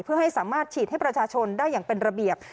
เพื่อให้สามารถฉีดให้ประชาชนได้อย่างเป็นระเบียบ